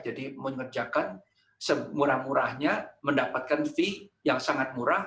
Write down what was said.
jadi mengerjakan semurah murahnya mendapatkan uang yang sangat murah